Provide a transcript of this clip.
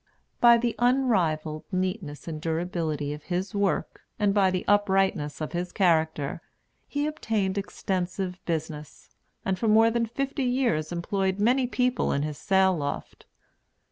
By the unrivalled neatness and durability of his work, and by the uprightness of his character, he obtained extensive business, and for more than fifty years employed many people in his sail loft.